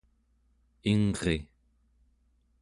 ingri